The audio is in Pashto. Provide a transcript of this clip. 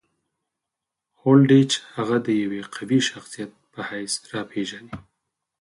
هولډیچ هغه د یوه قوي شخصیت په حیث راپېژني.